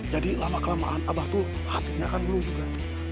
jadi lama kelamaan abah tuh hatinya akan gelung juga